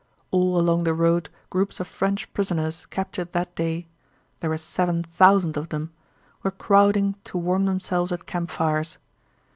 All along the road groups of French prisoners captured that day (there were seven thousand of them) were crowding to warm themselves at campfires.